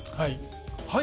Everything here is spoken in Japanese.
はい。